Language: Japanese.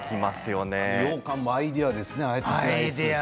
ようかんもアイデアですね。